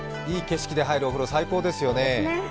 いい景色で入るお風呂、最高ですよね。